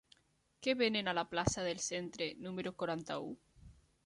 Què venen a la plaça del Centre número quaranta-u?